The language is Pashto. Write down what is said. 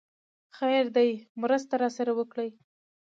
خير دی! مرسته راسره وکړئ!